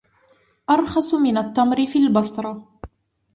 أرخص من التمر في البصرة